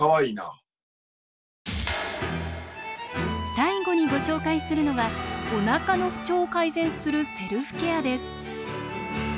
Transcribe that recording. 最後にご紹介するのはお腹の不調を改善するセルフケアです。